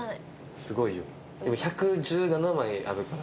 すごい量１１７枚あるから。